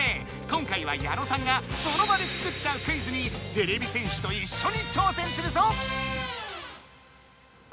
今回は矢野さんがその場で作っちゃうクイズにてれび戦士といっしょにちょうせんするぞ！